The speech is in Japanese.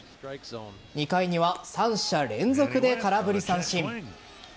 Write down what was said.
２回には、３者連続で空振り三振。